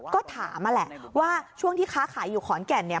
ก็ถามนั่นแหละว่าช่วงที่ค้าขายอยู่ขอนแก่นเนี่ย